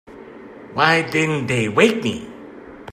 Why didn't they wake me?